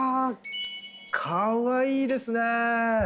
かわいいですね！